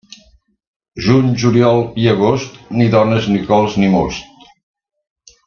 Juny, juliol i agost, ni dones, ni cols, ni most.